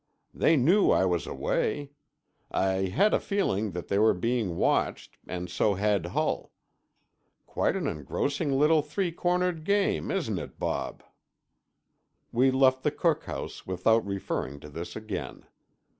They knew I was away. I had a feeling that we were being watched, and so had Hull. Quite an engrossing little three cornered game, isn't it, Bob?" We left the cookhouse without referring to this again.